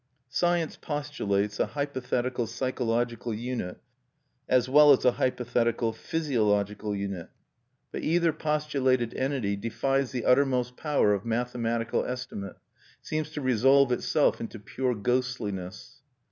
Science postulates a hypothetical psychological unit as well as a hypothetical physiological unit; but either postulated entity defies the uttermost power of mathematical estimate, seems to resolve itself into pure ghostliness.